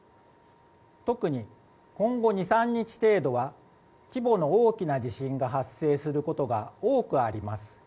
特に今後２３日程度は規模の大きな地震が発生することが多くあります。